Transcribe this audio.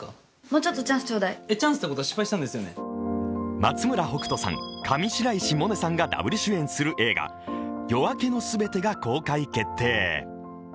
松村北斗さん、上白石萌音さんがダブル主演する映画「夜明けのすべて」が公開決定。